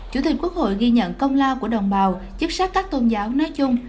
chủ tịch quốc hội ghi nhận công lao của đồng bào chức sắc các tôn giáo nói chung